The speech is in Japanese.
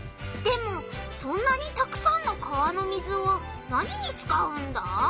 でもそんなにたくさんの川の水を何に使うんだ？